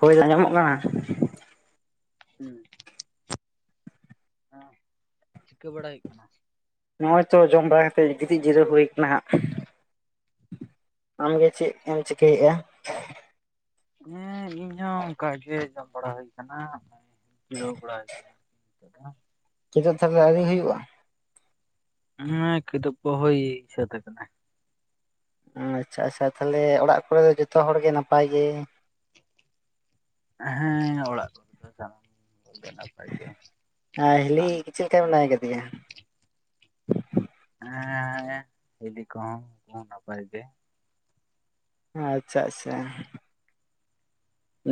ᱦᱳᱭ ᱟᱸᱡᱚᱢᱚᱜ ᱠᱟᱱᱟ᱾ ᱦᱩᱸ ᱦᱮᱸ ᱪᱤᱠᱟᱹ ᱵᱟᱲᱟ ᱦᱩᱭᱩᱜ ᱠᱟᱱᱟ᱾ ᱱᱚᱜ ᱚᱭ ᱛᱚ ᱡᱚᱢ ᱵᱟᱲᱟ ᱠᱟᱛᱮᱫ ᱜᱤᱛᱤᱡ ᱡᱤᱨᱟᱹ ᱦᱩᱭ ᱠᱟᱱᱟ ᱦᱟᱸᱜ᱾ [unintelligible] ᱟᱢ ᱜᱮ ᱪᱮᱫ ᱮᱢ ᱪᱤᱠᱟᱹᱭᱮᱜᱼᱟ? ᱦᱮᱸ ᱤᱧ ᱦᱚᱸ ᱚᱱᱠᱟ ᱜᱮ ᱡᱚᱢ ᱵᱟᱲᱟ ᱦᱩᱭ ᱟᱠᱟᱱᱟ ᱢᱮ ᱡᱤᱨᱟᱹᱣ ᱵᱟᱲᱟ ᱦᱩᱭ [unintelligible] [unintelligible] ᱠᱮᱫᱚᱜ ᱛᱟᱦᱚᱞᱮ ᱟᱹᱣᱨᱤ ᱦᱩᱭᱩᱜᱼᱟ? ᱦᱮᱸ ᱠᱤᱫᱩᱹᱵ ᱠᱚ ᱦᱳᱭ ᱥᱟᱹᱛ ᱠᱟᱱᱟ ᱾ ᱟᱪᱪᱷᱟ ᱟᱪᱪᱷᱟ, ᱛᱟᱦᱚᱞᱮ ᱚᱲᱟᱜ ᱠᱚᱨᱮ ᱫᱚ ᱡᱚᱛᱚ ᱦᱚᱲ ᱜᱮ ᱱᱟᱯᱟᱭ ᱜᱮ? ᱦᱮᱸ ᱚᱲᱟᱜ ᱠᱚᱨᱮ ᱫᱚ ᱥᱟᱱᱟᱢ ᱠᱚ ᱜᱮ [unintelligible] ᱟᱨ ᱦᱤᱞᱤ ᱪᱮᱫ ᱞᱮᱠᱟ ᱢᱮᱱᱟᱭ ᱟᱫᱮᱭᱟ? ᱦᱮᱸᱮᱸᱻ ᱦᱤᱞᱤ ᱠᱚᱸᱦᱚ ᱱᱟᱯᱟᱭ ᱜᱮ ᱾ ᱟᱪᱪᱷᱟ ᱟᱪᱪᱷᱟ ᱾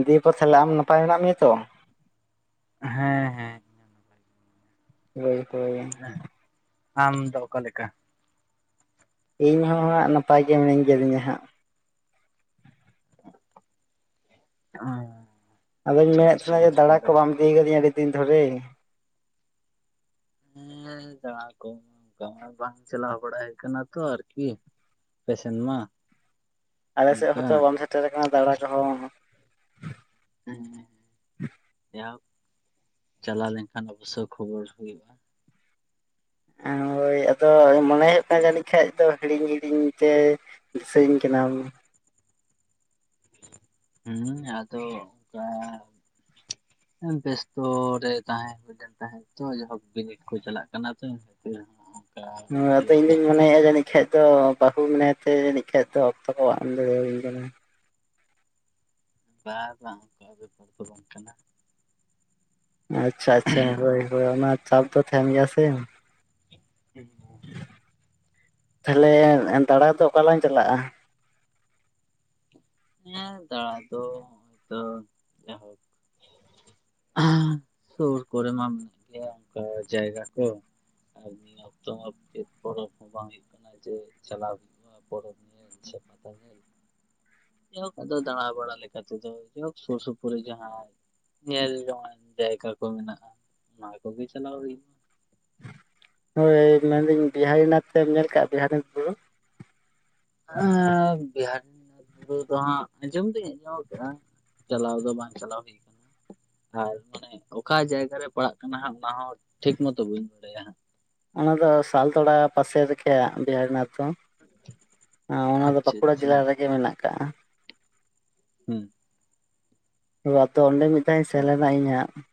ᱫᱤᱭᱮ ᱯᱚᱨ ᱛᱟᱦᱚᱞᱮ ᱟᱢ ᱱᱟᱯᱟᱭ ᱢᱮᱱᱟᱜ ᱢᱮᱭᱟ ᱛᱚ? ᱦᱮᱸ ᱦᱮᱸ ᱾ ᱦᱳᱭ ᱦᱳᱭ ᱾ ᱟᱢ ᱫᱚ ᱚᱠᱟ ᱞᱮᱠᱟ? ᱤᱧ ᱦᱚ ᱦᱟᱸᱜ ᱱᱟᱯᱟᱭ ᱜᱮ ᱢᱤᱱᱟᱹᱧ ᱠᱟᱹᱫᱤᱧᱟ ᱦᱟᱸᱜ ᱾ ᱚ [unintelligible] ᱟᱫᱚᱧ ᱢᱮᱱᱮᱫ ᱛᱟᱦᱮᱱᱟ ᱡᱮ ᱫᱟᱬᱟ ᱠᱚ ᱵᱟᱢ ᱤᱫᱤ ᱠᱟᱫᱤᱧᱟ ᱟᱹᱰᱤ ᱫᱤᱱ ᱫᱷᱚᱨᱮ ᱾ ᱦᱮᱸ ᱫᱟᱬᱟ ᱠᱚ ᱚᱱᱠᱟ ᱢᱟ ᱵᱟᱝ ᱪᱟᱞᱟᱣ ᱵᱟᱲᱟᱭ ᱠᱟᱱᱟ ᱛᱚ ᱟᱨᱠᱤ ᱾ ᱟᱯᱮ ᱥᱮᱱ ᱢᱟ ᱾ ᱟᱞᱮ ᱥᱮᱫ ᱦᱚᱸᱛᱚ ᱵᱟᱢ ᱥᱮᱴᱮᱨ ᱟᱠᱟᱱᱟ ᱫᱟᱬᱟ ᱠᱚᱦᱚᱸ ᱾ ᱦᱮᱸ ᱡᱟ ᱦᱳᱠ ᱪᱟᱞᱟᱣ ᱞᱮᱱᱠᱷᱟᱱ ᱚᱵᱚᱥᱥᱳ ᱠᱷᱚᱵᱚᱨ ᱦᱩᱭᱩᱜᱼᱟ ᱾ ᱦᱳᱭ ᱟᱫᱚ ᱢᱚᱱᱮ ᱦᱩᱭᱩᱜ ᱠᱟᱱ ᱡᱟᱹᱱᱤᱡ ᱠᱷᱟᱡ ᱫᱚ ᱦᱤᱲᱤᱧ ᱦᱤᱲᱤᱧ ᱛᱮ ᱫᱤᱥᱟᱹᱧ ᱠᱟᱱᱟᱢ ᱾ ᱦᱩᱸ ᱟᱫᱚ ᱚᱱᱠᱟ ᱵᱮᱥᱛᱚ ᱨᱮ ᱛᱟᱦᱮᱸ ᱦᱩᱭ ᱞᱮᱱ ᱛᱟᱦᱮᱸᱫ ᱛᱚ ᱤᱧᱟᱜ ᱦᱚ ᱵᱤᱱᱤᱰ ᱠᱚ ᱪᱟᱞᱟᱜ ᱠᱟᱱᱟ ᱛᱚ ᱾ [unintelligible] ᱦᱮᱸ ᱟᱫᱚ ᱤᱧᱫᱩᱧ ᱢᱚᱱᱮᱭᱮᱫ-ᱟ ᱡᱟᱹᱱᱤᱡ ᱠᱷᱟᱡ ᱫᱚ ᱵᱟᱹᱦᱩ ᱢᱮᱱᱟᱭᱛᱮ ᱡᱟᱹᱱᱤᱡ ᱠᱷᱟᱡ ᱫᱚ ᱚᱠᱛᱚ ᱠᱚ ᱵᱟᱢ ᱮᱢ ᱫᱟᱲᱮᱣᱟᱹᱧ ᱠᱟᱱᱟ ᱾ ᱵᱟ ᱵᱟᱝ ᱚᱱᱠᱟ ᱵᱮᱯᱟᱨ ᱫᱚ ᱵᱟᱝ ᱠᱟᱱᱟ ᱾ ᱟᱪᱪᱷᱟ ᱟᱪᱪᱷᱟ ᱦᱳᱭ ᱦᱳᱭ ᱚᱱᱟ ᱪᱟᱯ ᱫᱚ ᱛᱟᱦᱮᱱ ᱜᱮᱭᱟ ᱥᱮ ᱾ [unintelligible] ᱛᱟᱦᱞᱮ ᱫᱟᱬᱟ ᱫᱚ ᱚᱠᱟ ᱨᱮᱞᱟᱝ ᱪᱟᱞᱟᱜᱼᱟ? ᱦᱮᱸ ᱫᱟᱬᱟ ᱫᱚ ᱦᱚᱜ-ᱚᱭ ᱛᱳ ᱡᱟᱦᱳᱠ ᱾ [unintelligible] ᱥᱩᱨ ᱠᱚᱨᱮ ᱢᱟ ᱢᱮᱱᱟᱜ ᱜᱮᱭᱟ ᱚᱱᱠᱟ ᱡᱟᱭᱜᱟ ᱠᱚ ᱾ ᱟᱨ ᱱᱤᱭᱟᱹ ᱚᱠᱛᱚ ᱢᱟ ᱪᱮᱫ ᱯᱚᱨᱚᱵᱽ ᱦᱚᱸ ᱵᱟᱝ ᱦᱩᱭᱩᱜ ᱠᱟᱱᱟ ᱡᱮ ᱪᱟᱞᱟᱣ ᱦᱩᱭᱩᱜ-ᱟ ᱯᱚᱨᱚᱵᱽ ᱧᱮ ᱧᱮᱞ ᱥᱮ ᱯᱟᱛᱟ ᱧᱮᱞ ᱾ ᱡᱟᱭᱦᱳᱠ ᱟᱫᱚ ᱫᱟᱬᱟ ᱵᱟᱲᱟᱟ ᱞᱮᱠᱟ ᱛᱮᱫᱚ ᱡᱟᱭ ᱦᱳᱠ ᱥᱩᱨ ᱥᱩᱯᱩᱨ ᱨᱮ ᱡᱟᱦᱟᱸ ᱧᱮᱞ ᱡᱚᱝᱟᱱ ᱡᱟᱭᱜᱟ ᱠᱚ ᱢᱮᱱᱟᱜᱼᱟ ᱚᱱᱟ ᱠᱚᱜᱮ ᱪᱟᱞᱟᱣ ᱦᱩᱭᱩᱜ ᱦᱳᱭ ᱢᱮᱱᱫᱟᱹᱧ ᱵᱤᱦᱟᱨᱤᱱᱟᱛᱷ ᱮᱢ ᱧᱮᱞ ᱠᱟᱜᱼᱟ, ᱵᱤᱦᱟᱨᱤᱱᱟᱛᱷ ᱵᱩᱨᱩ? ᱮᱸᱻ ᱵᱤᱦᱟᱨᱤ ᱵᱩᱨᱩ ᱫᱚ ᱦᱟᱸᱜ ᱟᱸᱡᱚᱢ ᱫᱩᱧ ᱟᱸᱡᱚᱢ ᱟᱠᱟᱜ-ᱟ ᱪᱟᱞᱟᱣ ᱫᱚ ᱵᱟᱝ ᱪᱟᱞᱟᱣ ᱦᱩᱭ ᱠᱟᱱᱟ ᱾ ᱟᱨ ᱢᱟᱱᱮ ᱚᱠᱟ ᱡᱟᱭᱜᱟ ᱨᱮ ᱯᱟᱲᱟᱜ ᱠᱟᱱᱟ ᱦᱟᱸᱜ ᱚᱱᱟᱦᱚᱸ ᱴᱷᱤᱠ ᱢᱚᱛᱚ ᱵᱟᱹᱧ ᱵᱟᱲᱟᱭᱟ ᱦᱟᱸᱜ ᱾ ᱚᱱᱟ ᱫᱚ ᱥᱟᱞᱛᱚᱲᱟ ᱯᱟᱥᱮ ᱨᱮᱠᱮ ᱵᱤᱦᱟᱨᱤᱱᱟᱛᱷ ᱫᱚ ᱾ ᱚᱱᱟ ᱫᱚ ᱟᱪᱪᱷᱟ ᱵᱟᱸᱠᱩᱲᱟ ᱟᱪᱪᱷᱟ ᱡᱮᱞᱟ ᱨᱮᱜᱮ ᱢᱮᱱᱟᱜ ᱠᱟᱜᱼᱟ ᱾ ᱦᱩᱸ ᱾ [unintelligible] ᱛᱚ ᱚᱸᱰᱮ ᱢᱤᱫ ᱫᱷᱟᱣ ᱤᱧ ᱟᱪᱪᱷᱟ ᱥᱮᱱ ᱞᱮᱱᱟ ᱤᱧ ᱦᱟᱸᱜ ᱾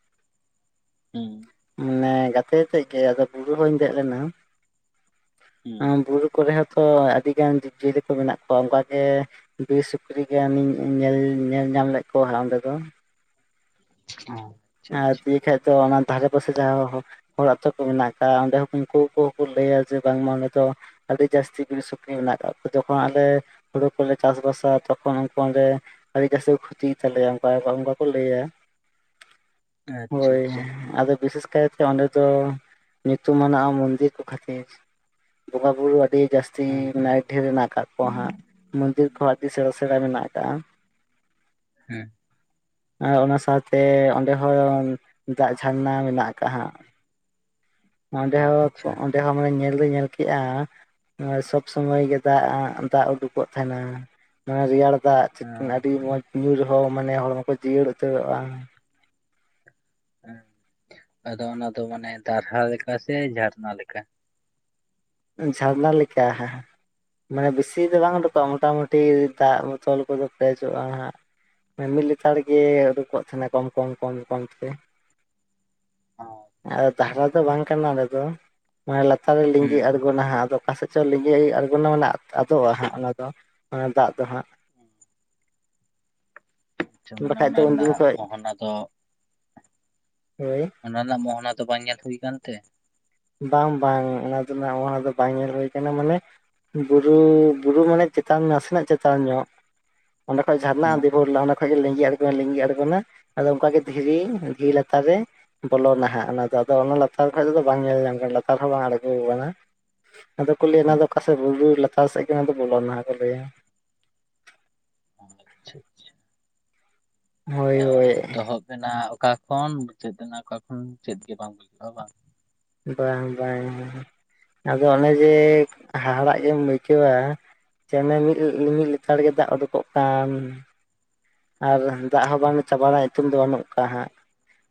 ᱦᱩᱸ ᱾ ᱢᱟᱱᱮ ᱜᱟᱛᱮ ᱟᱛᱮᱜ ᱜᱮ ᱟᱫᱚ ᱵᱩᱨᱩ ᱦᱚᱧ ᱫᱮᱡ ᱞᱮᱱᱟ, ᱦᱩᱸ ᱮᱸ ᱵᱩᱨᱩ ᱠᱚᱨᱮ ᱦᱚᱸ ᱛᱚ ᱟᱹᱰᱤ ᱜᱟᱱ ᱡᱤᱵᱽᱡᱤᱭᱟᱹᱞᱤ ᱠᱚ ᱢᱮᱱᱟᱜ ᱠᱚᱣᱟ, ᱚᱱᱠᱟᱜ ᱜᱮ ᱵᱤᱨ ᱥᱩᱠᱨᱤ ᱜᱟᱱᱤᱧ ᱧᱮᱞ ᱧᱮᱞ ᱧᱟᱢ ᱞᱮᱫ ᱠᱚᱣᱟ ᱦᱟᱸᱜ ᱚᱸᱰᱮ ᱫᱚ [unintelligible] ᱟᱨᱮ ᱫᱤᱭᱮ ᱠᱷᱟᱡ ᱫᱚ ᱚᱱᱟ ᱫᱷᱟᱨᱮ ᱯᱟᱥᱮ ᱡᱟᱦᱟᱸ ᱦᱚᱲ ᱟᱛᱳ ᱠᱚ ᱢᱮᱱᱟᱜ ᱟᱠᱟᱫ ᱚᱸᱰᱮ ᱦᱚᱸ ᱩᱱᱠᱩ ᱠᱚᱠᱚ ᱞᱟᱹᱭᱟ ᱡᱮ ᱵᱟᱝᱢᱟ ᱚᱸᱰᱮ ᱫᱚ ᱟᱹᱰᱤ ᱡᱟᱹᱥᱛᱤ ᱵᱤᱨ ᱥᱩᱠᱨᱤ ᱢᱮᱱᱟᱜ ᱟᱠᱟᱫ ᱠᱚᱣᱟ ᱡᱚᱠᱷᱚᱱ ᱟᱞᱮ ᱦᱩᱲᱩ ᱠᱚᱞᱮ ᱪᱟᱥ ᱵᱟᱥᱟ ᱛᱚᱠᱷᱚᱱ ᱩᱱᱠᱩ ᱚᱸᱰᱮ᱾ ᱟᱹᱰᱤ ᱡᱟᱹᱥᱛᱤ ᱠᱚ ᱠᱷᱩᱛᱤ ᱜᱮ ᱛᱟᱞᱮᱭᱟ ᱚᱱᱠᱟ ᱚᱱᱠᱟ ᱠᱚ ᱞᱟᱹᱭᱟ᱾ ᱟᱪᱪᱷᱟ ᱦᱳᱭ ᱟᱪᱪᱷᱟ ᱟᱫᱚ ᱵᱤᱥᱮᱥ ᱠᱟᱭᱛᱮ ᱚᱸᱰᱮ ᱫᱚ ᱧᱩᱛᱩᱢᱟᱱᱟᱜ ᱢᱚᱱᱫᱤᱨ ᱠᱚ ᱠᱷᱟᱹᱛᱤᱨ᱾ ᱵᱚᱸᱜᱟᱼᱵᱩᱨᱩ ᱟᱹᱰᱤ ᱡᱟᱹᱥᱛᱤ ᱦᱩᱸ ᱟᱰᱤ ᱰᱷᱮᱨ ᱢᱮᱱᱟᱜ ᱠᱟᱜ ᱠᱚᱣᱟ ᱦᱟᱸᱜ᱾ ᱢᱚᱱᱫᱤᱨ ᱠᱚᱦᱚᱸ ᱟᱹᱰᱤ ᱥᱮᱬᱟ ᱥᱮᱬᱟ ᱢᱮᱱᱟᱜ ᱟᱠᱟᱜᱼᱟ᱾ ᱦᱩᱸ ᱟᱨ ᱚᱱᱟ ᱥᱟᱶᱛᱮᱼᱼ ᱚᱸᱰᱮ ᱦᱚᱸ ᱫᱟᱜ ᱡᱷᱟᱨᱱᱟ ᱢᱮᱱᱟᱜ ᱟᱠᱟᱜᱼᱟ ᱦᱟᱸᱜ ᱚᱸᱰᱮ ᱦᱚᱸᱠᱚᱼᱼ ᱟᱪᱪᱷᱟ ᱚᱸᱰᱮ ᱦᱚᱸ ᱢᱟᱱᱮ ᱧᱮᱞ ᱫᱚᱧ ᱧᱮᱞ ᱠᱮᱜᱼᱟ᱾ ᱱᱚᱜᱚᱭ ᱥᱚᱵ ᱥᱚᱢᱚᱭ ᱜᱮ ᱫᱟᱜ ᱫᱟᱜ ᱩᱰᱩᱠᱚᱜ ᱛᱟᱦᱮᱱᱟ ᱢᱟᱱᱮ ᱨᱮᱭᱟᱲ ᱫᱟᱜ ᱪᱮᱛᱟᱱ ᱦᱩᱸ ᱟᱰᱤ ᱢᱚᱡᱽ ᱧᱩᱨ ᱨᱮᱦᱚᱸ ᱢᱟᱱᱮ ᱦᱚᱲᱢᱚ ᱠᱚ ᱡᱤᱭᱟᱹᱲ ᱩᱛᱟᱹᱨᱚᱜᱼᱟ᱾ ᱦᱮᱸ ᱟᱫᱚ ᱚᱱᱟ ᱫᱚ ᱢᱟᱱᱮ ᱫᱟᱨᱦᱟ ᱞᱮᱠᱟ ᱥᱮ ᱡᱷᱟᱨᱱᱟ ᱞᱮᱠᱟ? ᱡᱷᱟᱨᱱᱟ ᱞᱮᱠᱟ ᱦᱮ ᱢᱟᱱᱮ ᱵᱮᱥᱤ ᱫᱚ ᱵᱟᱝ ᱩᱰᱩᱠᱚᱜᱼᱟ ᱢᱚᱴᱟᱢᱩᱴᱤ ᱫᱟᱜ ᱵᱚᱛᱚᱞ ᱠᱚᱫᱚ ᱯᱮᱨᱮᱡᱚᱜᱼᱟ ᱦᱟᱸᱜ᱾ ᱢᱟᱱᱮ ᱢᱤᱫ ᱞᱮᱛᱟᱲ ᱜᱮ ᱩᱰᱩᱠᱚᱜ ᱛᱟᱦᱮᱱᱟ ᱠᱚᱢ ᱠᱚᱢ ᱠᱚᱢ ᱠᱚᱢ ᱛᱮ᱾ ᱟᱪᱪᱷᱟ ᱟᱫᱚ ᱟᱪᱪᱷᱟ ᱫᱟᱦᱨᱟ ᱫᱚ ᱵᱟᱝ ᱠᱟᱱᱟ ᱚᱸᱰᱮ ᱫᱚ ᱞᱟᱛᱟᱨ ᱨᱮ ᱞᱤᱸᱡᱤ ᱦᱩᱸ ᱟᱸ ᱜᱷᱚᱱ ᱼᱼ ᱜᱚᱱ ᱱᱟ ᱦᱟᱸᱜ ᱟᱫᱚ ᱚᱠᱟᱥᱮᱫ ᱪᱚ ᱞᱤᱸᱡᱤ ᱟᱬᱜᱚᱱᱟ ᱢᱟᱱᱮ ᱟᱫᱚᱜᱼᱟ ᱦᱟᱸᱜ ᱚᱱᱟᱫᱚ ᱚᱱᱟ ᱫᱟᱜ ᱫᱚ ᱦᱟᱸᱜ ᱟᱪᱪᱷᱟ ᱢᱟᱱᱮ ᱵᱟᱠᱷᱟᱡ ᱚᱱᱟ ᱫᱚ ᱩᱱᱫᱤᱱ ᱨᱮᱱᱟᱜ ᱠᱷᱚᱡ ᱢᱚᱦᱚᱱᱟ ᱫᱚ ᱦᱳᱭ ᱚᱱᱟ ᱨᱮᱱᱟᱜ ᱢᱚᱦᱚᱱᱟ ᱫᱚ ᱵᱟᱝ ᱧᱮᱞ ᱦᱩᱭ ᱠᱟᱱᱛᱮ? ᱵᱟᱝ ᱵᱟᱝ ᱚᱱᱟ ᱫᱚ ᱚᱱᱟ ᱫᱚ ᱵᱟᱝ ᱧᱮᱞ ᱦᱩᱭ ᱠᱟᱱᱟ ᱢᱟᱱᱮ... ᱵᱩᱨᱩ ᱵᱩᱨᱩ ᱢᱟᱱᱮ ᱪᱮᱛᱟᱱ ᱱᱟᱥᱮᱱᱟᱜ ᱪᱮᱛᱟᱱ ᱧᱚᱜ ᱚᱸᱰᱮ ᱠᱷᱚᱡ ᱡᱷᱟᱨᱱᱟ ᱦᱮᱸ ᱫᱤ ᱯᱚᱨ ᱚᱱᱟ ᱚᱱᱠᱟ ᱜᱮ ᱞᱤᱸᱜᱤ ᱟᱬᱜᱚᱱᱟ ᱞᱤᱸᱜᱤ ᱟᱬᱜᱚᱱᱟ ᱟᱫᱚ ᱚᱱᱠᱟᱜᱮ ᱫᱷᱤᱨᱤ ᱫᱷᱤᱨᱤ ᱞᱟᱛᱟᱨ ᱨᱮᱹᱹᱹ ᱵᱚᱞᱚᱱᱟ ᱦᱟᱜ ᱚᱱᱟᱫᱚ ᱟᱫᱚ ᱚᱱᱟ ᱞᱟᱛᱟᱨ ᱠᱷᱚᱡ ᱫᱚ ᱵᱟᱝ ᱧᱮᱞ ᱧᱟᱢᱹᱹ ᱞᱟᱛᱟᱨ ᱦᱚᱸ ᱵᱟᱝ ᱟᱬᱜᱳ ᱟᱠᱟᱱᱟ ᱟᱫᱚ ᱠᱩ ᱞᱟᱹᱭ ᱫᱟ ᱚᱠᱟ ᱥᱮᱫ ᱵᱩᱨᱩ ᱞᱟᱛᱟᱨ ᱥᱮᱫ ᱜᱮᱱᱟᱜ ᱫᱚ ᱵᱚᱞᱚ ᱱᱟᱦᱟᱜ ᱠᱚ ᱞᱟᱹᱭᱟ᱾ ᱟᱪᱷᱟ ᱟᱪᱷᱟ ᱦᱳᱭ ᱢᱟᱱᱮ ᱦᱳᱭ ᱮᱛᱚᱦᱚᱵ ᱮᱱᱟ ᱚᱠᱟ ᱠᱷᱚᱱ ᱢᱩᱪᱟᱹᱫ ᱮᱱᱟ ᱚᱠᱟ ᱠᱷᱚᱱ ᱪᱮᱫ ᱜᱮ ᱵᱟᱝ ᱵᱩᱡᱷᱟᱹᱜᱼᱟ ᱵᱟᱜ? ᱵᱟᱝ ᱵᱟᱝ ᱟᱫᱚ ᱚᱱᱮ ᱡᱮ ᱦᱟᱦᱲᱟᱜ ᱜᱮᱢ ᱟᱹᱭᱠᱟᱹᱣᱟ ᱪᱮ ᱢᱤ ᱢᱤᱫ ᱞᱮᱛᱟᱲ ᱜᱮ ᱫᱟᱜ ᱚᱰᱩᱠᱚᱜ ᱠᱟᱱ᱾ ᱟᱨ ᱫᱟᱜ ᱦᱚᱸ ᱵᱟᱝ ᱪᱟᱵᱟ ᱨᱮᱱᱟᱜ ᱧᱩᱛᱩᱢ ᱫᱚ ᱵᱟᱹᱱᱩᱜ ᱠᱟᱜᱼᱟ ᱦᱟᱸᱜ᱾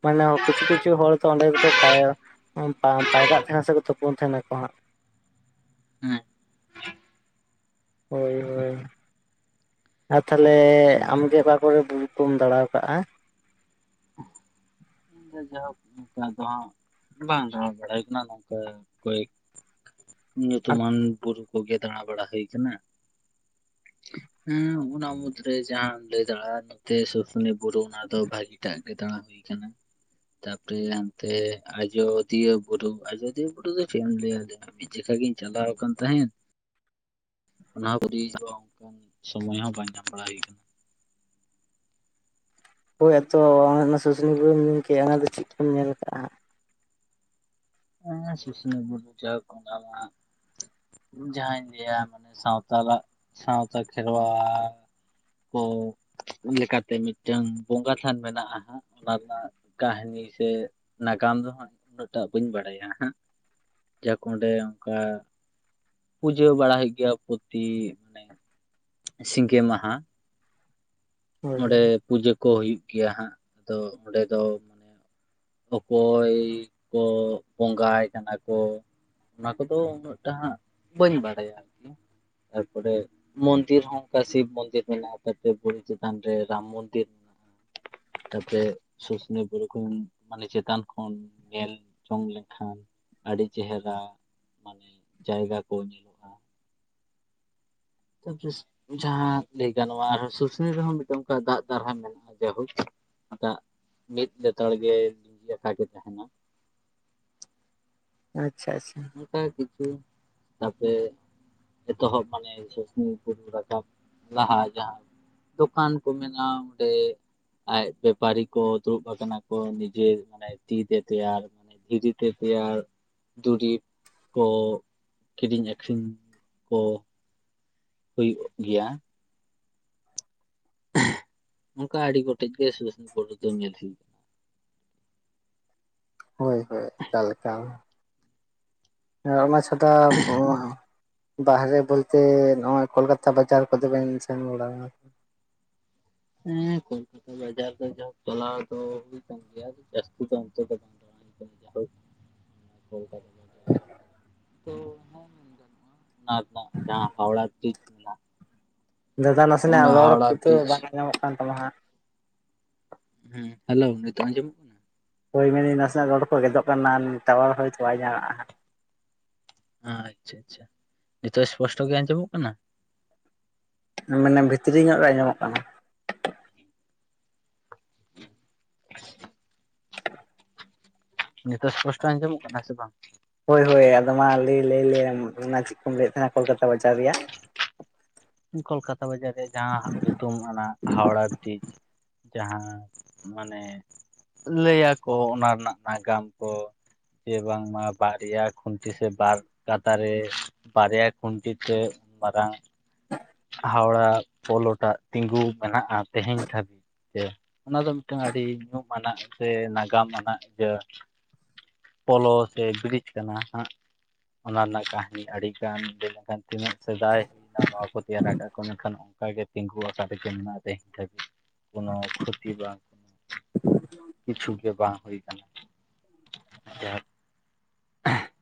ᱢᱟᱱᱮ ᱠᱤᱪᱷᱩ ᱠᱤᱪᱷᱩ ᱦᱚᱲ ᱫᱚ ᱚᱸᱰᱮ ᱜᱮᱠᱚ ᱯᱟᱭᱨᱟ... ᱯᱟᱭᱨᱟᱜ ᱛᱟᱦᱮᱱᱟ ᱥᱮᱠᱚ ᱛᱩᱯᱩᱱ ᱛᱟᱦᱮᱱᱟᱠᱚ ᱦᱟᱸᱜ᱾ ᱦᱮᱸ ᱦᱳᱭ ᱦᱳᱭ ᱦᱳᱭ ᱟᱨ ᱛᱟᱦᱞᱮ ᱟᱪᱪᱷᱟ ᱟᱢᱜᱮ ᱚᱠᱟ ᱠᱚᱨᱮ ᱵᱩᱨᱩ ᱠᱚᱢ ᱫᱟᱸᱬᱟᱣ ᱠᱟᱜᱼᱟ? ᱦ [unintelligible] ᱡᱟᱭᱦᱳᱠ ᱱᱚᱝᱠᱟ ᱫᱚ ᱦᱟᱸᱜ ᱵᱟᱝ ᱨᱚᱲ ᱵᱟᱲᱟ ᱦᱩᱭᱩᱜ ᱠᱟᱱᱟ ᱱᱚᱝᱠᱟ ᱠᱚᱭ... ᱟᱨ ᱧᱩᱛᱩᱢᱟᱱ ᱵᱩᱨᱩ ᱠᱚᱜᱮ ᱫᱟᱸᱬᱟ ᱵᱟᱲᱟ ᱦᱩᱭ ᱠᱟᱱᱟ᱾ ᱦᱮᱸ ᱚᱱᱟ ᱢᱩᱫᱽᱨᱮ ᱡᱟᱦᱟᱸᱢ ᱞᱟᱹᱭ ᱫᱟᱲᱮᱜᱼᱟ? ᱛᱮ ᱥᱩᱥᱩᱱᱤ ᱵᱩᱨᱩ ᱚᱱᱟ ᱫᱚ ᱵᱷᱟᱹᱜᱤ ᱴᱟᱜ ᱜᱮ ᱫᱟᱸᱬᱟ ᱦᱩᱭ ᱟᱠᱟᱱᱟ᱾ ᱛᱟᱯᱚᱨᱮ ᱦᱟᱱᱛᱮ ᱟᱡᱚᱫᱤᱭᱟᱹ ᱵᱩᱨᱩ ᱟᱡᱚᱫᱤᱭᱟᱹ ᱵᱩᱨᱩ ᱫᱚ ᱪᱮᱜ ᱮᱢ ᱞᱟᱹᱭᱟ.. ᱢᱤᱫ ᱡᱮᱠᱷᱟ ᱜᱤᱧ ᱪᱟᱞᱟᱣ ᱟᱠᱟᱱ ᱛᱟᱦᱮᱸᱫ ᱚᱱᱟ ᱯᱚᱨᱮ ᱦᱚᱸ ᱚᱱᱠᱟᱱ ᱥᱚᱢᱚᱭ ᱦᱚᱸ ᱵᱟᱝ ᱧᱟᱢ ᱵᱟᱲᱟ ᱦᱩᱭ ᱠᱟᱱᱟ᱾ ᱦᱳᱭ ᱟᱫᱚ ᱚᱱᱮ ᱚᱱᱟ ᱥᱩᱥᱱᱤ ᱵᱩᱨᱩᱢ ᱧᱮᱞ ᱠᱮᱜᱼᱟ ᱚᱱᱟᱫᱚ ᱪᱮᱫ ᱠᱚᱢ ᱧᱮᱞ ᱠᱟᱜᱼᱟ ᱦᱚᱸᱜ? ᱦᱮᱸ ᱥᱩᱥᱱᱤ ᱵᱩᱨᱩ ᱡᱟ ᱦᱳᱠ ᱚᱱᱟᱢᱟ ᱡᱟᱦᱟᱸᱧ ᱞᱟᱹᱭᱟ ᱢᱟᱱᱮ ᱥᱟᱶᱛᱟ ᱞᱟᱜ ᱥᱟᱶᱛᱟ ᱠᱷᱮᱨᱣᱟᱞ ᱠᱚ ᱞᱮᱠᱟᱛᱮ ᱢᱤᱫᱴᱟᱝ ᱵᱚᱸᱜᱟ ᱛᱷᱟᱱ ᱢᱮᱱᱟᱜᱼᱟ ᱦᱟᱸᱜ ᱚᱱᱟ ᱨᱮᱱᱟᱜ ᱠᱟᱦᱱᱤ ᱥᱮ ᱱᱟᱜᱟᱢ ᱫᱚ ᱦᱟᱸᱜ ᱩᱱᱟᱹᱜ ᱴᱟᱜ ᱵᱟᱹᱧ ᱵᱟᱲᱟᱭᱟ ᱦᱟᱸᱜ ᱡᱟᱦᱟᱸ ᱠᱚ ᱚᱸᱰᱮ ᱚᱱᱠᱟ ᱯᱩᱡᱟᱹ ᱵᱟᱲᱟ ᱦᱩᱭᱩᱜ ᱜᱮᱭᱟ ᱯᱩᱛᱤ ᱢᱟᱱᱮ ᱥᱤᱸᱜᱮ ᱢᱟᱦᱟ᱾ ᱦᱳᱭ ᱚᱸᱬᱮ ᱦᱳᱭ ᱯᱩᱡᱟᱹ ᱠᱚ ᱦᱩᱭᱩᱜ ᱜᱮᱭᱟ ᱦᱟᱸᱜ ᱛᱚ ᱚᱸᱰᱮ ᱫᱚ ᱢᱟᱱᱮ ᱚᱠᱚᱭ ᱠᱚ ᱵᱚᱸᱜᱟᱭ ᱠᱟᱱᱟ ᱠᱚ ᱚᱱᱟ ᱠᱚᱫᱚ ᱩᱱᱟᱹᱜ ᱴᱟᱜ ᱦᱟᱸᱜ ᱵᱟᱹᱧ ᱵᱟᱲᱟᱭᱟ ᱟᱨᱠᱤ᱾ ᱛᱟᱨᱯᱚᱨᱮ ᱢᱚᱱᱫᱤᱨ ᱦᱚᱸ ᱚᱱᱠᱟ ᱥᱤᱵ ᱢᱚᱱᱫᱤᱨ ᱵᱮᱱᱟᱣ ᱠᱟᱛᱮ ᱯᱚᱨᱤᱪᱤᱛ ᱦᱟᱸᱰᱮ ᱨᱟᱢ ᱢᱚᱱᱫᱤᱨ ᱛᱟᱯᱮ ᱥᱩᱥᱩᱱᱤ ᱵᱩᱨᱩ ᱠᱷᱚᱱ ᱢᱟᱱᱮ ᱪᱮᱛᱟᱱ ᱠᱷᱚᱱ ᱧᱮᱞ ᱡᱚᱝ ᱞᱮᱠᱷᱟᱱ ᱟᱹᱰᱤ ᱪᱮᱦᱨᱟ ᱢᱟᱱᱮ ᱡᱟᱭᱜᱟ ᱠᱚ ᱧᱮᱞᱚᱜᱼᱟ᱾ ᱛᱚᱠᱤᱥ ᱡᱟᱦᱟᱸ ᱞᱟᱹᱭ ᱜᱟᱱᱚᱜᱼᱟ ᱟᱨ ᱥᱩᱥᱩᱱᱤ ᱨᱮᱦᱚᱸ ᱢᱤᱫᱴᱮᱱ ᱚᱱᱠᱟ ᱫᱟᱜ ᱫᱟᱨᱦᱟ ᱢᱮᱱᱟᱜᱼᱟ [unintelligible] ᱫᱟᱜ ᱢᱤᱫ ᱞᱮᱛᱟᱲ ᱜᱮ ᱞᱸᱤᱡᱤ ᱟᱠᱟᱭ ᱜᱮ ᱛᱟᱦᱮᱱᱟ ᱟᱪᱷᱟ ᱟᱪᱷᱟ ᱚᱱᱠᱟ ᱠᱤᱪᱷᱩ ᱛᱟᱯᱮ ᱮᱛᱚᱦᱚᱵ ᱢᱟᱱᱮ ᱥᱩᱥᱱᱤ ᱵᱩᱨᱩ ᱨᱟᱠᱟᱵ ᱞᱟᱦᱟ ᱡᱟᱦᱟᱸ ᱫᱚᱠᱟᱱ ᱠᱚ ᱢᱮᱱᱟ ᱚᱸᱰᱮ᱾ ᱟᱡᱛᱮ ᱯᱟᱨᱤ ᱠᱚ ᱫᱩᱲᱩᱵ ᱟᱠᱟᱱᱟ ᱠᱚ ᱱᱤᱡᱮ ᱢᱟᱱᱮ ᱛᱤ ᱛᱮ ᱛᱮᱭᱟᱨ ᱱᱤᱡᱤ ᱛᱮ ᱯᱮᱭᱟᱨ ᱫᱩᱨᱤᱯ ᱠᱚ ᱠᱤᱨᱤᱧ ᱟᱹᱠᱷᱨᱤᱧ ᱠᱚ ᱦᱩᱭᱩᱜ ᱜᱮᱭᱟ᱾ [unintelligible] ᱚᱱᱠᱟ ᱟᱹᱰᱤ ᱜᱚᱴᱮᱡ ᱜᱮ ᱥᱩᱥᱩᱱᱤ ᱵᱩᱨᱩ ᱫᱚᱧ ᱧᱮᱞ [unintelligible] ᱦᱚᱭ ᱦᱟᱭ ᱟᱠᱟ ᱞᱮᱠᱟᱢ ᱦᱮᱸ ᱚᱱᱟ ᱪᱷᱟᱰᱟ ᱵᱚᱦᱚᱜ ᱦᱚᱸ᱾ ᱵᱟᱦᱨᱮ ᱵᱚᱞᱛᱮ ᱱᱚᱶᱟ ᱠᱚᱞᱠᱟᱛᱟ ᱵᱟᱡᱟᱨ ᱠᱚᱫᱚ ᱵᱮᱱ ᱥᱮᱱ ᱵᱟᱲᱼᱟ ᱦᱮᱸ ᱠᱚᱞᱠᱟᱛᱟ ᱵᱟᱡᱟᱨ ᱫᱚ ᱡᱟᱵ ᱪᱟᱞᱟᱣ ᱫᱚ ᱦᱩᱭᱩᱜ ᱠᱟᱱ ᱜᱮᱭᱟ ᱡᱟᱹᱥᱛᱤ ᱫᱚ ᱚᱱᱛᱮ ᱫᱚ ᱵᱟᱝ [unintelligible] ᱠᱚᱞᱠᱟᱛᱟ ᱛᱚ ᱚᱱᱟ ᱦᱚᱸ ᱢᱮᱱ ᱜᱟᱱᱚᱜᱼᱟ ᱚᱱᱟ ᱨᱮᱱᱟᱜ ᱡᱟᱦᱟᱸ ᱦᱟᱣᱲᱟ ᱵᱤᱨᱤᱡᱽ ᱫᱟᱫᱟ ᱱᱟᱥᱮᱱᱟᱜ ᱨᱚᱲ ᱦᱟᱣᱲᱟ ᱠᱤᱛᱷᱩ ᱵᱨᱤᱡᱽ ᱵᱟᱝ ᱟᱸᱧᱟᱢᱚᱜ ᱠᱟᱱ ᱛᱟᱢᱟ ᱦᱟᱸᱜ᱾ ᱦᱩᱸ ᱦᱮᱞᱚ ᱱᱤᱛᱚᱜ ᱟᱸᱡᱚᱢᱚᱜ ᱠᱟᱱᱟ? ᱦᱚᱭ ᱢᱮᱱᱮᱫᱟᱹᱧ ᱱᱟᱥᱮᱱᱟᱜ ᱨᱚᱲ ᱠᱚ ᱜᱮᱫᱚᱜ ᱠᱟᱱᱟ ᱴᱟᱣᱟᱨ ᱦᱚᱭᱛᱚ ᱵᱟᱭ ᱧᱟᱢᱮᱼᱟ ᱦᱟᱸᱜ᱾ ᱟᱪᱷᱟ ᱟᱪᱷᱟ ᱱᱤᱛᱚᱜ ᱮᱥᱯᱚᱥᱴᱚ ᱜᱮ ᱟᱸᱡᱚᱢᱚᱜ ᱠᱟᱱᱟ ᱢᱟᱱᱮ ᱵᱷᱤᱛᱨᱤ ᱧᱚᱜ ᱜᱮ ᱟᱸᱡᱚᱢᱚᱜ ᱠᱟᱱᱟ᱾ [inaudible] [inaudible] ᱱᱤᱛᱚᱜ ᱮᱥᱯᱚᱥᱴᱚ ᱟᱸᱡᱚᱢᱚᱜ ᱠᱟᱱᱟ ᱥᱮ ᱵᱟᱝ? ᱦᱚᱭ ᱦᱚᱭ ᱟᱫᱚ ᱢᱟ ᱞᱟᱹᱭ ᱞᱟᱹᱭᱞᱮᱢ ᱚᱱᱟ ᱪᱮᱫ ᱠᱚᱢ ᱞᱟᱹᱭᱮᱫ ᱛᱟᱦᱮᱱᱟ ᱠᱚᱞᱠᱟᱛᱟ ᱵᱟᱡᱟᱨ ᱨᱮᱭᱟᱜ ᱠᱚᱞᱠᱟᱛᱟ ᱵᱟᱡᱟᱨ ᱨᱮᱭᱟᱜ ᱡᱟᱦᱟᱸ ᱦᱟᱸᱜ ᱧᱩᱛᱩᱢ ᱚᱱᱟ ᱦᱟᱣᱲᱟ ᱵᱤᱨᱤᱡᱽ ᱡᱟᱦᱟᱸ ᱢᱟᱱᱮ ᱞᱟᱹᱭᱟᱠᱚ ᱚᱱᱟ ᱨᱮᱱᱟᱜ ᱱᱟᱜᱟᱢ ᱠᱚ ᱥᱮ ᱵᱟᱝᱢᱟ ᱵᱟᱨᱭᱟ ᱠᱷᱩᱱᱴᱤ ᱥᱮ ᱵᱟᱨ ᱠᱟᱛᱟᱨᱮ ᱵᱟᱨᱭᱟ ᱠᱷᱩᱱᱴᱤ ᱛᱮ ᱢᱟᱨᱟᱝ [inaudible] ᱦᱟᱣᱲᱟ ᱯᱚᱞᱚᱴᱟᱜ ᱛᱤᱸᱜᱩ ᱢᱮᱱᱟᱜᱼᱟ ᱛᱮᱦᱮᱧ ᱫᱷᱟᱹᱵᱤᱡ ᱛᱮ ᱚᱱᱟ ᱫᱚ ᱢᱤᱫᱴᱟᱝ ᱟᱹᱰᱤ ᱧᱩᱢ ᱟᱱᱟᱜ ᱥᱮ ᱱᱟᱜᱟᱢ ᱟᱱᱟᱜ ᱤᱭᱟ. ᱯᱚᱞᱚ ᱥᱮ ᱵᱨᱤᱡᱽ ᱠᱟᱱᱟ ᱦᱟᱸᱜ ᱚᱱᱟ ᱨᱮᱱᱟᱜ ᱠᱟ. ᱦᱱᱤ ᱟᱹᱰᱤ ᱜᱟᱱ ᱞᱟᱹᱭ ᱞᱮᱱᱠᱷᱟᱱ ᱛᱤᱱᱟᱹᱜ ᱥᱮᱫᱟᱭ ᱦᱩᱭᱱᱟ ᱱᱚᱶᱟ ᱠᱚ ᱛᱮᱭᱟᱨᱟᱠᱟᱫ ᱠᱚ ᱢᱮᱱᱠᱷᱟᱱ ᱚᱱᱠᱟ ᱜᱮ ᱛᱤᱸᱜᱩ ᱟᱠᱟᱫᱟᱠᱤᱱ ᱚᱱᱟ ᱛᱮᱦᱮᱧ ᱫᱷᱟᱹᱵᱤᱡ ᱠᱚᱱᱚ [unintelligible] ᱵᱟᱝ ᱠᱤᱪᱷᱩ ᱜᱮ ᱵᱟᱝ ᱦᱩᱭ ᱟᱠᱟᱱᱟ ᱡᱟᱦᱟᱸ [unintelligible]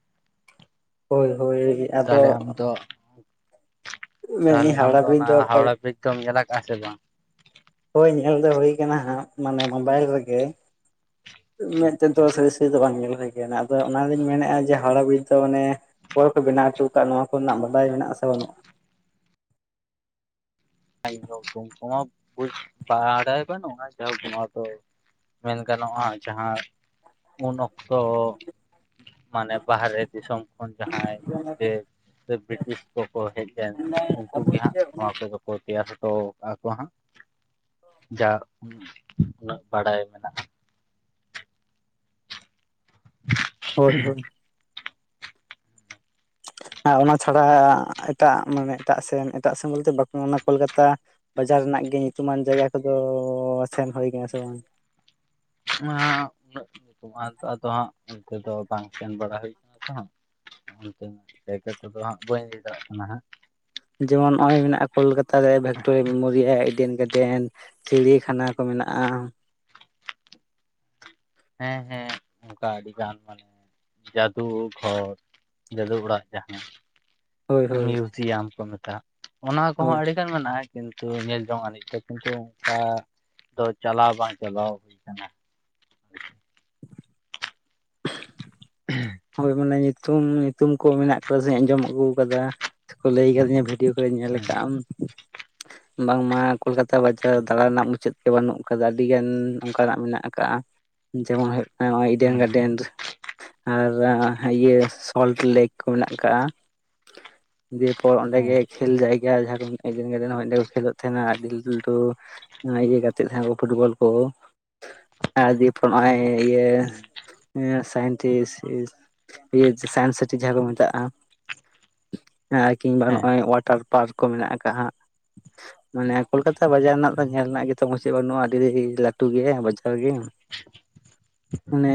ᱦᱳᱭ ᱦᱳᱭ ᱜᱮ ᱛᱟᱦᱚᱞᱮ ᱟᱢ ᱫᱚ ᱢᱮᱱᱮᱫᱟᱹᱧ ᱛᱟᱦᱚᱞᱮ ᱟᱢᱫᱚ ᱦᱟᱣᱲᱟ ᱵᱨᱤᱡᱽ ᱚᱱᱟ ᱫᱚ ᱦᱟᱣᱲᱟ ᱵᱤᱨᱤᱡ ᱫᱚᱢ ᱧᱮᱞᱟ ᱟᱠᱟᱜᱼᱟ ᱥᱮ ᱵᱟᱝ? ᱦᱳᱭ ᱧᱮᱞ ᱫᱚ ᱦᱩᱭ ᱟᱠᱟᱱᱟ ᱦᱟᱸᱜ ᱢᱟᱱᱮ ᱢᱳᱵᱟᱭᱤᱞ ᱨᱮᱜᱮ, ᱢᱮᱫᱛᱮᱫᱚ ᱥᱟᱨᱤ ᱥᱟᱨᱤ ᱫᱚ ᱵᱟᱝ ᱧᱮᱞ ᱦᱩᱭ ᱠᱟᱱᱟ᱾ ᱟᱫᱚ ᱚᱱᱟᱞᱤᱧ ᱢᱮᱱᱮᱫᱼᱟ ᱡᱮ ᱦᱟᱣᱨᱟ ᱵᱤᱨᱤᱡ ᱫᱚ ᱢᱟᱱᱮ ᱚᱠᱚᱭ ᱠᱚ ᱵᱮᱱᱟᱣ ᱦᱚᱴᱚ ᱟᱠᱟᱫ ᱱᱚᱣᱟ ᱠᱚᱨᱮᱱᱟᱜ ᱵᱟᱰᱟᱭ ᱢᱮᱱᱟᱜᱼᱟ ᱥᱮ ᱵᱟᱹᱱᱩᱜᱼᱟ? [inaudible] [unintelligible] ᱢᱮᱱ ᱜᱟᱱᱚᱜᱼᱟ ᱡᱟᱦᱟᱸ ᱩᱱ ᱚᱠᱛᱚ ᱢᱟᱱᱮ ᱵᱟᱦᱨᱮ ᱫᱤᱥᱚᱢ ᱠᱷᱚᱱ ᱡᱟᱦᱟᱸᱭ ᱤᱝᱨᱮᱡᱽ ᱥᱮ ᱵᱨᱤᱴᱤᱥ ᱠᱚᱠᱚ ᱦᱮᱡ ᱞᱮᱱ ᱢᱮᱱᱫᱟᱭ ᱩᱱᱠᱩ ᱟᱵᱚ ᱜᱮ ᱦᱟᱸᱜ ᱡᱮ ᱱᱚᱣᱟ ᱩᱱᱟᱹᱜ ᱠᱚᱫᱚ ᱠᱚ ᱛᱮᱭᱟᱨ ᱦᱚᱴᱚ ᱠᱟᱜᱼᱟ ᱠᱚ ᱦᱟᱸᱜ ᱡᱟ ᱩᱱᱟᱹᱜ ᱵᱟᱰᱟᱭ ᱢᱮᱱᱟᱜᱼᱟ᱾ ᱦᱳᱭ ᱦᱳᱭ ᱟᱨ ᱚᱱᱟ ᱪᱷᱟᱲᱟ ᱮᱴᱟᱜ ᱢᱟᱱᱮ ᱮᱴᱟᱜ ᱥᱮᱱ ᱮᱴᱟᱜ ᱥᱮᱱ ᱵᱚᱞᱛᱮ ᱵᱟᱠᱚ ᱚᱱᱟ ᱠᱳᱞᱠᱟᱛᱟ ᱵᱟᱡᱟᱨ ᱨᱮᱱᱟᱜ ᱜᱮ ᱧᱩᱛᱩᱢᱟᱱ ᱡᱟᱭᱜᱟ ᱠᱚᱫᱚ ᱥᱮᱱ ᱦᱩᱭ ᱠᱟᱱᱟ ᱥᱮ ᱵᱟᱝ? ᱩᱱᱟᱹᱜ ᱧᱩᱛᱩᱢ ᱟᱫᱚ ᱦᱟᱸᱜ ᱚᱱᱛᱮ ᱫᱚ ᱵᱟᱝ ᱥᱮᱱ ᱵᱟᱲᱟ ᱦᱩᱭ ᱠᱟᱱᱟ ᱛᱚ ᱚᱱᱛᱮ ᱡᱟᱭᱜᱟ ᱠᱚᱫᱚ ᱦᱟᱸᱜ ᱵᱟᱹᱧ ᱞᱟᱹᱭ ᱫᱟᱲᱮᱭᱟᱜ ᱠᱟᱱᱟ ᱦᱟᱸᱜ ᱡᱮᱢᱚᱱ ᱱᱚᱜ ᱚᱭ ᱢᱮᱱᱟᱜᱼᱟ ᱠᱳᱞᱠᱟᱛᱟ ᱨᱮ ᱵᱷᱤᱠᱠᱴᱳᱨᱤᱭᱟ ᱢᱮᱢᱳᱨᱤᱭᱟᱞ ᱮᱰᱮᱱ ᱜᱟ ᱰᱮᱱ ᱪᱤᱲᱤᱭᱟᱠᱷᱟᱱᱟ ᱠᱚ ᱢᱮᱱᱟᱜᱼᱟ᱾ ᱦᱮᱸ ᱦᱮᱸ ᱚᱱᱠᱟ ᱟᱹᱰᱤ ᱜᱟᱱ ᱢᱟᱱᱮ ᱡᱟᱫᱩ ᱜᱷᱚᱨ ᱡᱟᱹᱫᱩ ᱚᱲᱟᱜ ᱡᱟᱦᱟᱸ ᱦᱳᱭ ᱦᱳᱭ ᱢᱤᱭᱩᱡᱤᱭᱟᱢ ᱠᱚ ᱢᱮᱛᱟᱜᱼᱟ, ᱚᱱᱟ ᱦᱳᱭ ᱠᱚᱦᱚᱸ ᱟᱹᱰᱤᱜᱟᱱ ᱢᱮᱱᱟᱜᱼᱟ᱾ ᱠᱤᱱᱛᱩ ᱧᱮᱞ ᱡᱚᱝ ᱟᱹᱱᱤᱡ ᱫᱚ ᱠᱤᱱᱛᱩ ᱚᱱᱠᱟ ᱫᱚ ᱪᱟᱞᱟᱣ ᱵᱟᱝ ᱪᱟᱞᱟᱣ ᱦᱩᱭ ᱟᱠᱟᱱᱟ᱾ [unintelligible] [inaudible] [inaudible] ᱦᱳᱭ ᱢᱟᱱᱮ ᱧᱩᱛᱩᱢ ᱧᱩᱛᱩᱢ ᱠᱚ ᱢᱮᱱᱟᱜ ᱠᱟᱫᱟ ᱥᱮ ᱟᱸᱡᱚᱢ ᱟᱹᱜᱩ ᱟᱠᱟᱫᱟ ᱥᱮ ᱠᱚ ᱞᱟᱹᱭ ᱟᱠᱟᱫᱤᱧᱟ [inaudible] ᱵᱷᱤᱰᱭᱳ ᱠᱚᱨᱮ ᱧᱮᱞ ᱦᱮᱸ ᱟᱠᱟᱫ ᱟᱢ ᱵᱟᱝᱢᱟ ᱠᱳᱞᱠᱟᱛᱟ ᱵᱟᱡᱟᱨ ᱫᱟᱬᱟ ᱨᱮᱱᱟᱜ ᱢᱩᱪᱟᱹᱫ ᱵᱟᱹᱱᱩᱜ ᱠᱟᱫᱟ᱾ ᱟᱹᱰᱤᱜᱟᱱ ᱚᱱᱠᱟᱱᱟᱜ ᱢᱮᱱᱟᱜ ᱟᱠᱟᱜᱼᱟ, ᱡᱮᱢᱚᱱ ᱦᱩᱭᱩᱜ ᱠᱟᱱᱟ ᱱᱚᱼᱚᱭ ᱤᱰᱮᱱ ᱦᱮᱸ ᱜᱟᱨᱰᱮᱱ ᱟᱨ ᱤᱭᱟᱹ ᱥᱚᱞᱴ ᱞᱮᱠ ᱠᱚ ᱢᱮᱱᱟᱜ ᱠᱟᱜᱼᱟ ᱫᱤᱭᱯᱚᱨ ᱚᱸᱰᱮ ᱜᱮ ᱠᱷᱮᱞ ᱡᱟᱭᱜᱟ ᱡᱟᱦᱟᱸ ᱠᱚ ᱢᱤᱫ ᱮᱰᱮᱱ ᱜᱟᱨᱰᱮᱱ ᱚᱰᱮ ᱠᱚ ᱠᱷᱮᱞᱳᱜ ᱛᱟᱦᱮᱱᱟ ᱟᱹᱰᱤ ᱞᱟᱹᱴᱩ ᱞᱟᱹᱴᱩ ᱱᱚᱭ ᱤᱭᱟᱹ ᱜᱟᱛᱮᱜ ᱛᱟᱦᱮᱸ ᱠᱚ ᱯᱷᱩᱴᱵᱚᱞ ᱠᱚ ᱟᱨ ᱫᱤᱭᱮᱯᱚᱨ ᱱᱚᱜᱼᱚᱭ ᱤᱭᱟᱹ ᱥᱟᱭᱮᱱᱴᱤᱥᱴ ᱥᱟᱭᱮᱱᱥ ᱥᱤᱴᱤ ᱡᱟᱦᱟᱸ ᱠᱚ ᱢᱮᱛᱟᱜᱼᱟ᱾ ᱦᱮᱸ ᱟᱨ ᱠᱤᱢᱵᱟ ᱦᱮᱸ ᱱᱚᱜᱼᱚᱭ ᱚᱳᱣᱟᱴᱟᱨ ᱯᱟᱨᱠ ᱠᱚ ᱢᱮᱱᱟᱜ ᱟᱠᱟᱜ ᱦᱟᱸᱜ ᱢᱟᱱᱮ ᱠᱳᱞᱠᱟᱛᱟ ᱵᱟᱡᱟᱨ ᱨᱮᱱᱟᱜ ᱫᱚ ᱦᱮᱸ ᱧᱮᱞ ᱨᱮᱱᱟᱜ ᱜᱮᱛᱚ ᱢᱩᱪᱟᱹᱫ ᱵᱟᱹᱱᱩᱜᱼᱟ ᱟᱹᱰᱤ ᱞᱟᱹᱴᱩ ᱜᱮ ᱵᱟᱡᱟᱨ ᱜᱮ᱾ ᱚᱱᱮ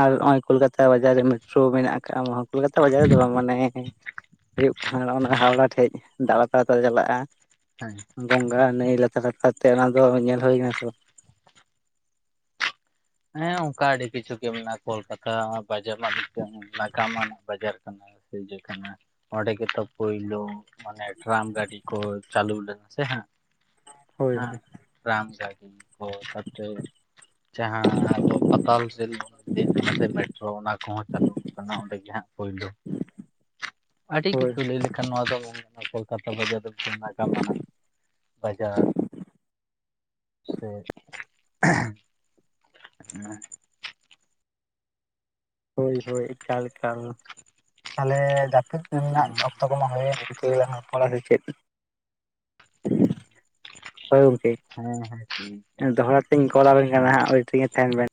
ᱟᱨ ᱱᱚᱜᱼᱚᱭ ᱠᱳᱞ ᱠᱟᱛᱟ ᱵᱟᱡᱟᱨ ᱨᱮ ᱢᱮᱴᱨᱳ ᱢᱮᱱᱟᱜ ᱟᱠᱟᱫ ᱠᱳᱞᱠᱟᱛᱟ ᱵᱟᱡᱟᱨ ᱨᱮᱫᱚ ᱵᱟᱝ ᱢᱟᱱᱮ ᱦᱩᱭᱩᱜ ᱠᱟᱱᱟ ᱚᱱᱟ ᱦᱟᱣᱲᱟ ᱴᱷᱮᱡ ᱫᱟᱬᱟ ᱫᱟᱬᱟ ᱛᱮᱞᱮ ᱪᱟᱞᱟᱜᱼᱟ᱾ ᱦᱮᱸ ᱜᱚᱝᱜᱟ ᱱᱟᱹᱭ ᱞᱟᱛᱟᱨ ᱞᱟᱛᱟᱨ ᱛᱮ ᱚᱱᱟ ᱫᱚ ᱧᱮᱞ ᱦᱩᱭᱱᱟ ᱥᱮ ᱵᱟᱝ? ᱦᱮᱸ ᱚᱱᱠᱟ ᱟᱹᱰᱤ ᱠᱤᱪᱷᱩ ᱜᱮ ᱢᱮᱱᱟᱜᱼᱟ, ᱠᱳᱞᱠᱟᱛᱟ ᱵᱟᱡᱟᱨ ᱨᱮᱱᱟᱜ ᱱᱟᱜᱟᱢᱟᱱ ᱵᱟᱡᱟᱨ ᱥᱮ ᱡᱮ ᱠᱟᱱᱟ ᱚᱸᱰᱮ ᱜᱮᱛᱚ ᱯᱳᱭᱞᱳ ᱢᱟᱱᱮ ᱴᱨᱟᱢ ᱜᱟᱹᱰᱤ ᱠᱚ ᱪᱟᱹᱞᱩ ᱞᱮᱫ ᱥᱮ ᱦᱟᱸᱜ ᱦᱳᱭ ᱦᱮᱸ ᱦᱳᱭ᱾ ᱴᱨᱟᱢ ᱜᱟᱹᱰᱤ ᱠᱚ ᱡᱟᱦᱟᱸ ᱯᱟᱛᱟᱞ ᱨᱮᱞ ᱵᱚᱱ ᱞᱟᱹᱭᱟ ᱠᱟᱱᱟ ᱥᱮ ᱢᱮᱴᱨᱳ ᱚᱱᱟ ᱠᱚᱦᱚᱸ ᱪᱟᱹᱞᱩ ᱟᱠᱟᱱᱟ ᱚᱸᱰᱮ ᱜᱮ ᱦᱟᱸᱜ ᱯᱳᱭᱞᱳ ᱟᱹᱰᱤ ᱦᱳᱭ ᱠᱤᱪᱷᱩ ᱞᱟᱹᱭ ᱞᱮᱠᱷᱟᱱ ᱱᱚᱣᱟ ᱫᱚ ᱚᱥᱚᱞ ᱠᱟᱛᱷᱟ ᱫᱚ ᱡᱟᱫᱚᱵᱯᱩᱨ ᱱᱟᱜᱟᱢ ᱟᱱᱟᱜ ᱵᱟᱡᱟᱨ ᱥᱮ ᱮᱸᱦᱮ ᱮᱜ [unintelligible] ᱦᱳᱭ ᱦᱳᱭ ᱮᱠᱟᱞ ᱮᱠᱟᱞ ᱛᱟᱦᱚᱞᱮ ᱡᱟᱹᱯᱤᱫ ᱨᱮᱱᱟᱜ ᱫᱚ ᱠᱚ ᱯᱚᱲᱪ [unintelligible] ᱪᱮᱫ ᱦᱮᱸ [unintelligible] ᱦᱳᱭ ᱜᱚᱢᱠᱮ ᱴᱷᱤᱠ ᱜᱮᱭᱟ ᱫᱚᱦᱲᱟᱛᱤᱧ ᱠᱚᱞᱟ ᱟᱵᱤᱱ ᱠᱟᱱᱟ ᱦᱮᱸ ᱦᱟᱸᱜ ᱳᱭᱮᱴᱤᱝ ᱨᱮ ᱛᱟᱦᱮᱱ ᱵᱮᱱ᱾